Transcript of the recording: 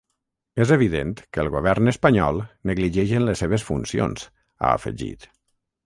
“És evident que el govern espanyol negligeix en les seves funcions”, ha afegit.